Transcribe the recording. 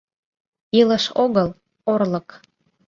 Илыш огыл — орлык.